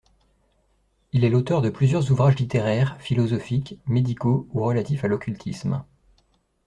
Il est l'auteur de plusieurs ouvrages littéraires, philosophiques, médicaux ou relatifs à l'occultisme.